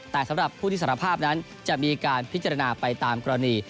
แต่สำหรับผู้ที่สารภาพนั้นจะมีการพิจารณาไปตามกรณี